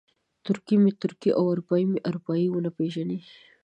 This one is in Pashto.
ترکي مې ترکي او اروپایي مې اروپایي ونه پېژني.